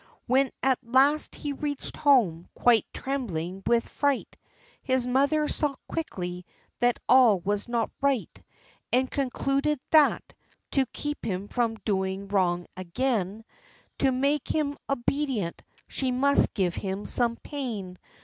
When at last he reached home, quite trembling with fright, His mother saw quickly that all was not right, And concluded that, to keep him from doing wrong again, And to make him obedient, she must give him some pain.